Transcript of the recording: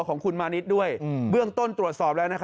ของคุณมานิดด้วยเบื้องต้นตรวจสอบแล้ว